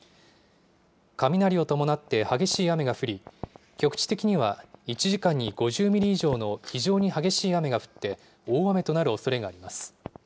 雷を伴って激しい雨が降り、局地的には１時間に５０ミリ以上の非常に激しい雨が降って大雨となるおそれがあります。